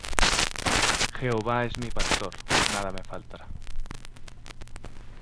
Jehova es mi pastor; nada me faltará.